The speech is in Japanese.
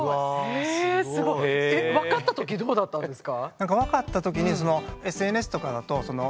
へえすごい。分かったときどうだったんですか？